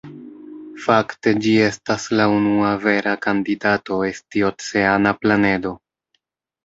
Fakte ĝi estas la unua vera kandidato esti oceana planedo.